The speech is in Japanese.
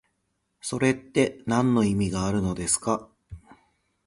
それってなんの意味があるのですか？